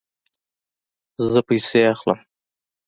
زه پیسې اخلم